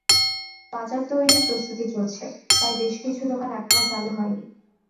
বাজার তৈরির প্রস্তুতি চলছে, তাই বেশ কিছু দোকান এখনো চালু হয়নি।